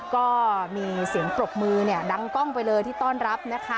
ก็มีเสียงปรบมือดังกล้องไปเลยที่ต้อนรับนะคะ